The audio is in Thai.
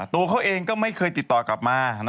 ตัวเขาเองก็ไม่เคยติดต่อกลับมา